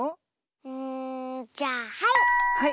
うんじゃあはい！